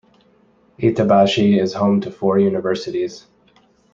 Itabashi is home to four universities.